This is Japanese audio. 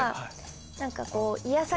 何かこう。